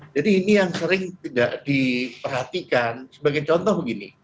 jadi ini yang sering tidak diperhatikan sebagai contoh begini